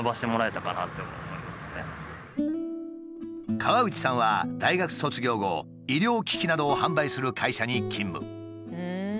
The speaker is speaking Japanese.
河内さんは大学卒業後医療機器などを販売する会社に勤務。